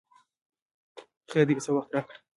خیر دی یو څه وخت راکړه!